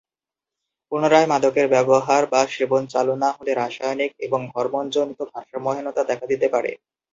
পুনরায় মাদকের ব্যবহার বা সেবন চালু না হলে রাসায়নিক এবং হরমোন জনিত ভারসাম্যহীনতা দেখা দিতে পারে।